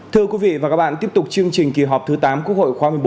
thưa quý vị và các bạn tiếp tục chương trình kỳ họp thứ tám quốc hội khóa một mươi bốn